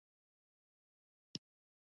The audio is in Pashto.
خو اوس يې ټول پام د شريف ځوانېدو ته و.